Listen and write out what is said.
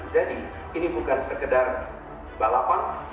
jadi ini bukan sekedar balapan